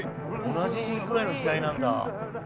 同じぐらいの時代なんだ。